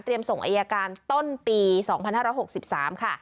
เตรียมส่งไอยาการต้นปี๒๕๖๓ค่ะ